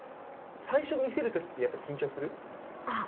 最初見せるときって、やっぱり緊張する？